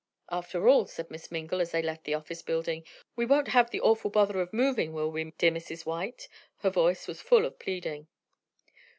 "After all," said Miss Mingle, as they left the office building, "we won't have the awful bother of moving; will we, dear Mrs. White?" Her voice was full of pleading.